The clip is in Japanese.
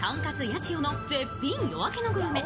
八千代の絶品夜明けのグルメ、